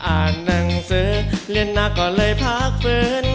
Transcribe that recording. อ่านหนังสือเรียนหน้าก่อนเลยพักฝืน